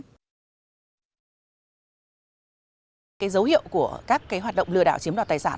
người dân nên tìm việc làm ở những công ty hay các trung tâm giới thiệu việc làm có uy tín